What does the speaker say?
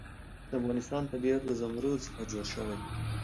د افغانستان طبیعت له زمرد څخه جوړ شوی دی.